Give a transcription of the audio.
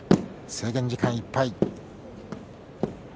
制限時間いっぱい。